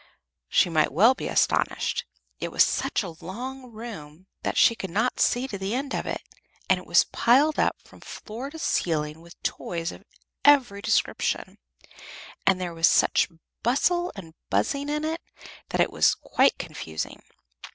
She might well be astonished. It was such a long room that she could not see to the end of it, and it was piled up from floor to ceiling with toys of every description, and there was such bustle and buzzing in it that it was quite confusing.